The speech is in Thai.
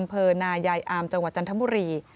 อัมเมล์นายายอำจังหวัดจันทรัพย์บุรี